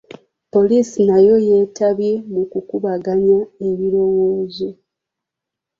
Poliisi nayo yeetabye mu kukubaganya ebirowoozo.